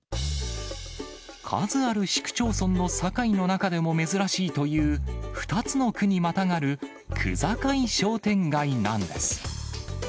数ある市区町村の境の中でも珍しいという、２つの区にまたがる区境商店街なんです。